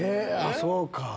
そうか。